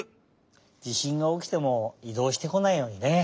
地しんがおきてもいどうしてこないようにね。